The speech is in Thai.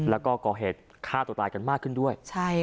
แล้วก็ก่อเหตุฆ่าตัวตายกันมากขึ้นด้วย